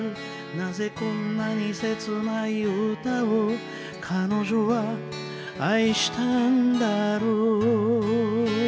「何故こんなに切ない歌を彼女は愛したんだろう」